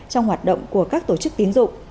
trong hoạt động của các tổ chức tiến dụng